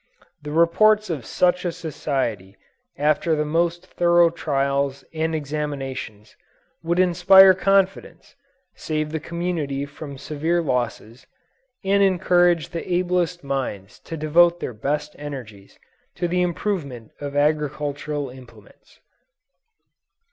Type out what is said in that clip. The reports of such a society after the most thorough trials and examinations, would inspire confidence, save the community from severe losses, and encourage the ablest minds to devote their best energies to the improvement of agricultural implements.